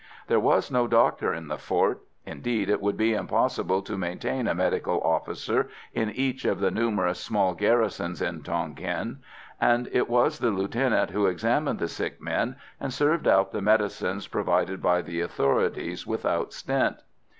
There was no doctor in the fort (indeed, it would be impossible to maintain a medical officer in each of the numerous small garrisons in Tonquin), and it was the lieutenant who examined the sick men and served out the medicines provided by the authorities without stint.